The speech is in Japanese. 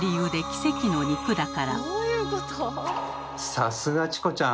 さすがチコちゃん！